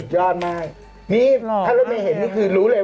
ใช่สุดยอด